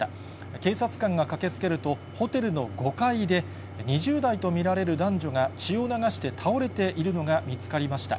警察官が駆けつけると、ホテルの５階で、２０代と見られる男女が血を流して倒れているのが見つかりました。